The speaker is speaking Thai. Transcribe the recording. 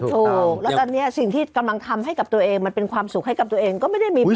ถูกแล้วตอนนี้สิ่งที่กำลังทำให้กับตัวเองมันเป็นความสุขให้กับตัวเองก็ไม่ได้มีผล